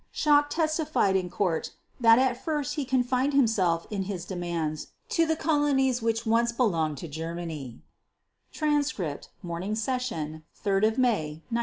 Schacht testified in Court that "at first he confined himself (in his demands) to the colonies which had once belonged to Germany" (Transcript, Morning Session, 3 May 1946).